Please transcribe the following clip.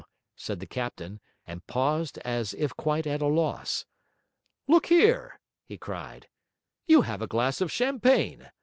said the captain, and paused as if quite at a loss. 'Look here,' he cried, 'you have a glass of champagne.